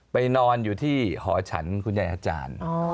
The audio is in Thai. นอนอยู่ที่หอฉันคุณยายอาจารย์